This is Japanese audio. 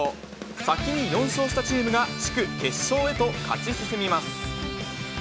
先に４勝したチームが地区決勝へと勝ち進みます。